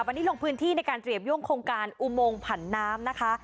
วันนี้ลงพื้นที่ในการเรียบยุ่งโครงการอุโมงผันน้ำนะคะ